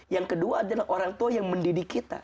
yang kedua adalah orang tua yang mendidik kita